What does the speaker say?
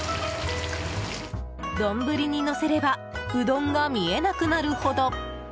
丼にのせればうどんが見えなくなるほど。